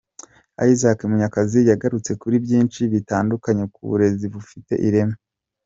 Isaac Munyakazi yagarutse kuri byinshi bitandukanye ku burezi bufite ireme.